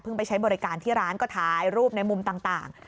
ไปใช้บริการที่ร้านก็ถ่ายรูปในมุมต่าง